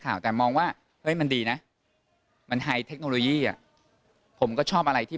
แต่มองว่าเฮ้ยมันดีนะมันไฮเทคโนโลยีอ่ะผมก็ชอบอะไรที่